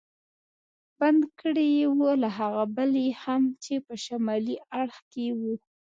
بند کړی و، له هغه بل یې هم چې په شمالي اړخ کې و.